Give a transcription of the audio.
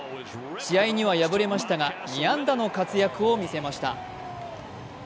試合には敗れましたが２安打の活躍を見せました。